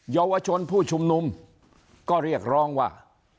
เยาวชนผู้ชุมนุมก็เรียกร้องว่า